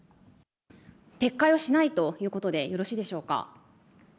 撤回をしないということでよろしいでしょうか。